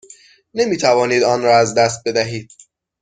نمی توانید آن را از دست بدهید.